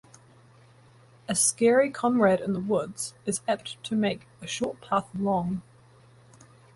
A scary comrade in the woods is apt to make a short path long.